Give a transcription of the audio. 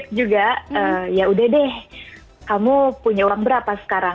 dan saya juga tweet juga yaudah deh kamu punya uang berapa sekarang